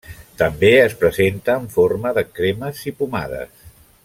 També es presenta en forma de cremes i pomades.